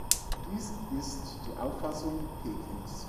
Dies ist die Auffassung Pekings.